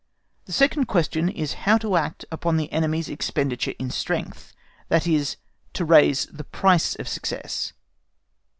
The second question is how to act upon the enemy's expenditure in strength, that is, to raise the price of success.